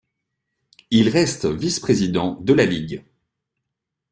Il reste vice-président de la ligue.